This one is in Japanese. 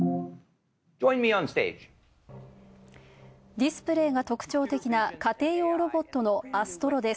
ディスプレーが特徴的な家庭用ロボットのアストロです。